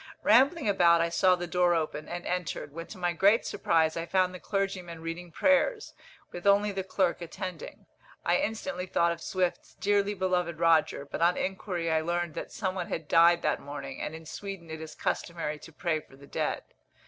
Rambling about, I saw the door open, and entered, when to my great surprise I found the clergyman reading prayers, with only the clerk attending. I instantly thought of Swift's "Dearly beloved Roger," but on inquiry I learnt that some one had died that morning, and in Sweden it is customary to pray for the dead.